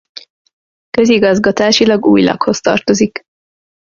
Közigazgatásilag Újlakhoz tartozik.